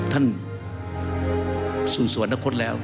ท่านสู่สวรรคตแล้ว